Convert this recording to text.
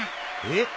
えっ？